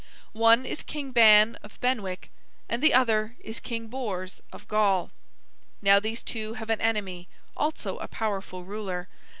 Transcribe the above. One is King Ban of Benwick, and the other is King Bors of Gaul. Now these two have an enemy, also a powerful ruler.